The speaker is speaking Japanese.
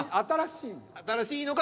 新しいの。